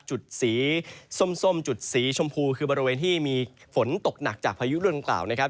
จุดสีส้มจุดสีชมพูคือบริเวณที่มีฝนตกหนักจากพายุเรื่องกล่าวนะครับ